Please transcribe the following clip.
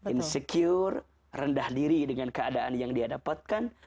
insecure rendah diri dengan keadaan yang dia dapatkan